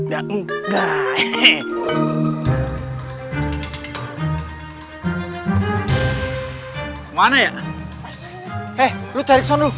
hei lu cari kesana lu